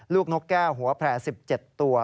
ลูกนกแก้วหัวแพร่๑๗ตัว